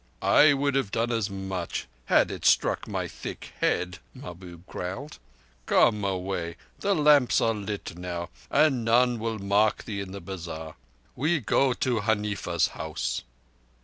"I would have done as much—had it struck my thick head," Mahbub growled. "Come away. The lamps are lit now, and none will mark thee in the bazar. We go to Huneefa's house."